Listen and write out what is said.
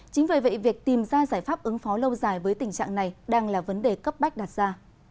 chính vì vậy việc tìm ra giải pháp ứng phó lâu dài với tình trạng này đang là vấn đề cấp bách đặt ra